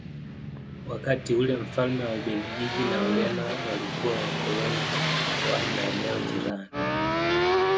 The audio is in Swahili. Wakati ule mfalme wa Ubelgiji na Ureno walikuwa wakoloni wa maeneo jirani